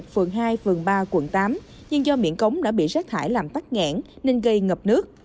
phường hai phường ba quận tám nhưng do miệng cống đã bị rác thải làm tắt nghẽn nên gây ngập nước